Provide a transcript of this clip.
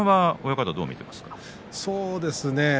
そうですね。